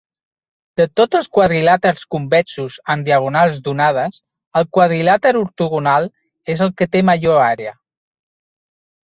De tots els quadrilàters convexos amb diagonals donades, el quadrilàter ortogonal és el que té major àrea.